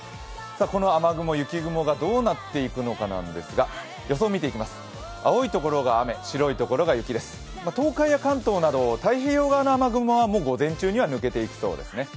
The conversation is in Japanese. この雨雲、雪雲がどうなっていくのかなんですが予想を見ていきます、青いところが雨、白いところが雪なんですが東海や関東など太平洋側の雨雲は午前中には抜けていきそうですね。